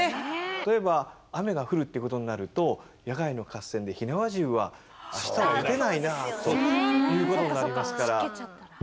例えば雨が降るっていうことになると野外の合戦で火縄銃はあしたは撃てないなということになりますから。